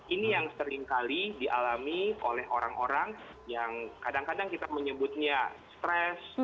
ini yang seringkali dialami oleh orang orang yang kadang kadang kita menyebutnya stres